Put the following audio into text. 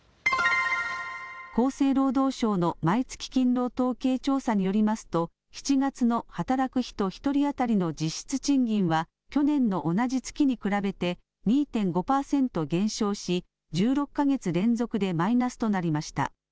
厚生労働省の毎月勤労統計調査によりますと７月の働く人１人当たりの実質賃金は去年の同じ月に比べて２．５％減少し１６か月連続でマイナスとなりました。